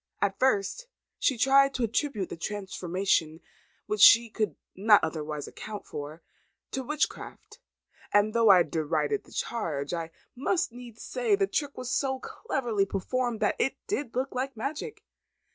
At first, she tried to attribute the transformation, which she could not otherwise account for, to witchcraft; and though I derided the charge, I must needs say, the trick was so cleverly performed, that it did look like magic.